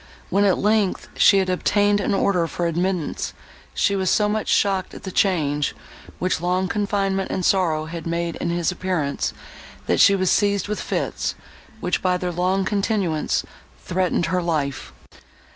When, at length, she had obtained an order for admittance, she was so much shocked at the change, which long confinement and sorrow had made in his appearance, that she was seized with fits, which, by their long continuance, threatened her life.